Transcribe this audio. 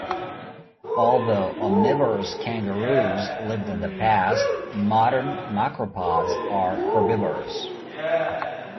Although omnivorous kangaroos lived in the past, modern macropods are herbivorous.